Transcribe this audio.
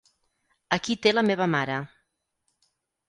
Aquí té la meva mare.